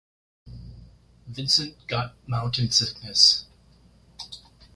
Vincent got mountain sickness.